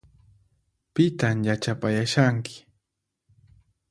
Pitan yachapayashanki?